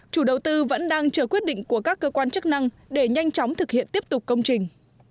chủ đầu tư vẫn đang chờ quyết định của các cơ quan chức năng để nhanh chóng thực hiện tiếp tục công trình